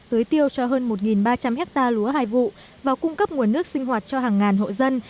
tưới tiêu cho hơn một ba trăm linh hectare lúa hai vụ và cung cấp nguồn nước sinh hoạt cho hàng ngàn hộ dân